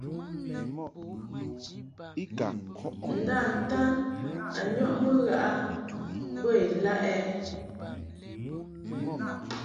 Nda-ntan a nyɔʼmɨ ghaʼ a bə ilaʼ ɛ ?